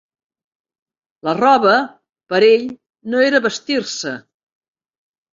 La roba, pera ell, no era vestir-se